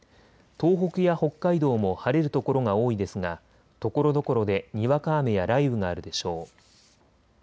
東北や北海道も晴れる所が多いですがところどころでにわか雨や雷雨があるでしょう。